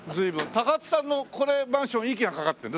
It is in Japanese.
高津さんのこれマンション息がかかってるの？